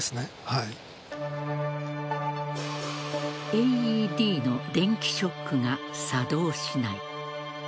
ＡＥＤの電気ショックが作動しない。